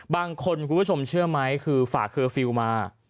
คุณผู้ชมเชื่อไหมคือฝากเคอร์ฟิลล์มา